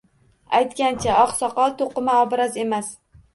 Aytgancha, oqsoqol to`qima obraz emas